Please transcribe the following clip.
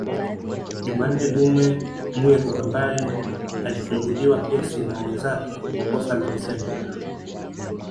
Jumanne Lume Mwiru ambaye alifunguliwa kesi na wenzake kwa kosa la uzembe